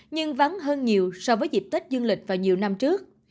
nhưng vắng hơn nhiều so với dịp tết dương lịch vào nhiều năm trước